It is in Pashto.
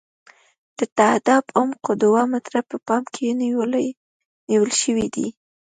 د تهداب عمق دوه متره په پام کې نیول شوی دی